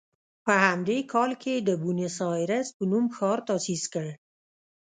په همدې کال یې د بونیس ایرس په نوم ښار تاسیس کړ.